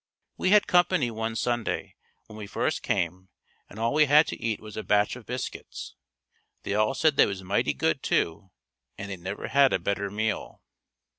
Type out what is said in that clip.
We had company one Sunday when we first came and all we had to eat was a batch of biscuits. They all said they was mighty good too and they never had a better meal.